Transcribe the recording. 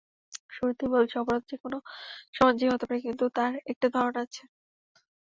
শুরুতেই বলেছি, অপরাধ যেকোনো সমাজেই হতে পারে, কিন্তু তার একটা ধরন আছে।